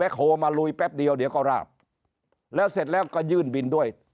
โฮมาลุยแป๊บเดียวเดี๋ยวก็ราบแล้วเสร็จแล้วก็ยื่นบินด้วย